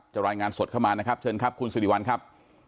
รายงานสดเข้ามานะครับเชิญครับคุณสิริวัลครับ